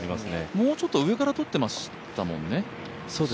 もうちょっと上から撮ってましたもんね。